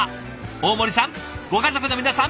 大森さんご家族の皆さん